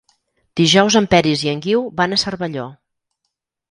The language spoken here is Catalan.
Dijous en Peris i en Guiu van a Cervelló.